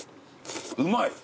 うまい！